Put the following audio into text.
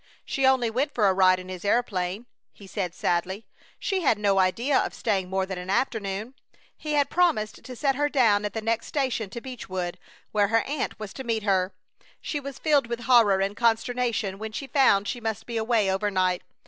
"She only went for a ride in his aeroplane," he said, sadly. "She had no idea of staying more than an afternoon. He had promised to set her down at the next station to Beechwood, where her aunt was to meet her. She was filled with horror and consternation when she found she must be away overnight.